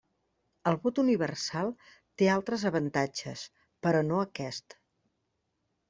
El vot universal té altres avantatges, però no aquest.